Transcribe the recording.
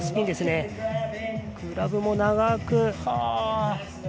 グラブも長く。